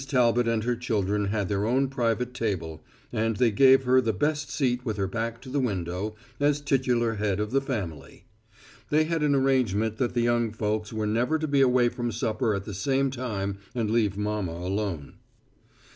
Talbot and her children had their own private table, and they gave her the best seat with her back to the window, as titular head of the family. They had an arrangement that the young folks were never to be away from supper at the same time and leave mama alone.